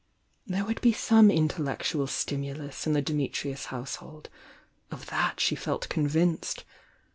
There would be some intellectual stimulus in the Dimitrius household, — of that she felt convinced.